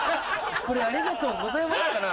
これ「ありがとうございます」かな？